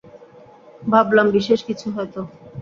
ভাবলাম বিশেষ কিছু হয়তো।